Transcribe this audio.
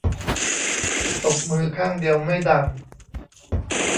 ตบมือข้างเดียวไม่ดัง